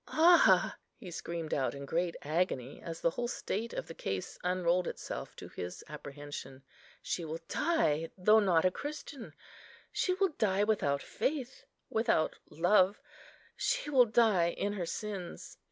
Ah!" he screamed out in great agony, as the whole state of the case unrolled itself to his apprehension, "she will die though not a Christian; she will die without faith, without love; she will die in her sins.